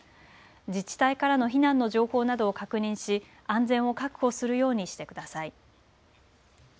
自治体からの避難の情報などを確認し安全を確保するようにしてください。